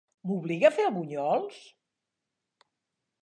M'obliga a fer bunyols?